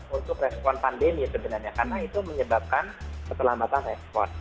untuk respon pandemi sebenarnya karena itu menyebabkan keterlambatan respon